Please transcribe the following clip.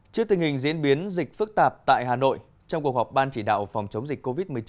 trước tình hình diễn biến dịch phức tạp tại hà nội trong cuộc họp ban chỉ đạo phòng chống dịch covid một mươi chín